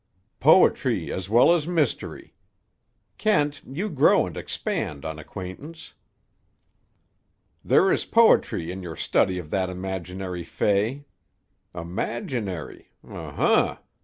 "Poetry as well as mystery! Kent, you grow and expand on acquaintance." "There is poetry in your study of that imaginary fay. Imaginary! Um hum!"